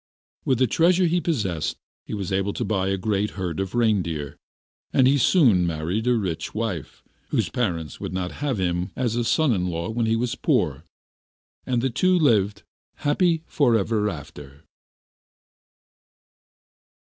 With the treasure he possessed he was able to buy a great herd of reindeer; and he soon married a rich wife, whose parents would not have him as a son in law when he was poor, and the two lived happy for ever after.